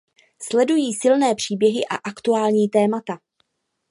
Sledují silné příběhy a aktuální témata.